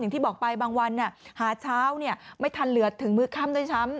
ที่บอกไปบางวันหาเช้าไม่ทันเหลือถึงมือค่ำด้วยซ้ำ